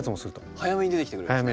早めに出てきてくれるんですね。